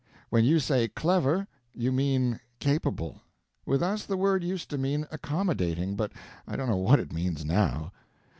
When you say 'clever,' you mean 'capable'; with us the word used to mean 'accommodating,' but I don't know what it means now.